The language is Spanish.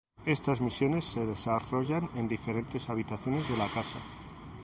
Estas misiones se desarrollan en diferentes habitaciones de la casa.